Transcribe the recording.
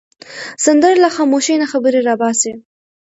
سندره له خاموشۍ نه خبرې را باسي